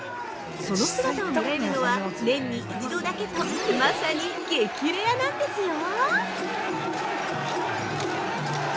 その姿を見られるのは年に一度だけとまさに激レアなんですよ。